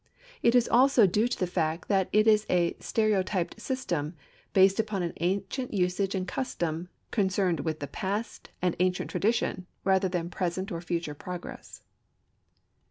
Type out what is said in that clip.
It is also due to the fact that it is a stereotyped system, based upon an ancient usage and custom, concerned with the past and ancient tradition rather than present or future progress.